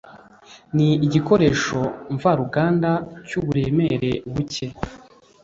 ni igikoresho mvaruganda cy uburemere buke